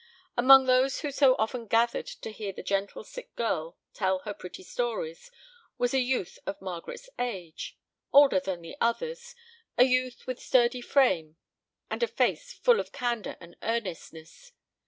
Among those who so often gathered to hear the gentle sick girl tell her pretty stories was a youth of Margaret's age, older than the others, a youth with sturdy frame and a face full of candor and earnestness.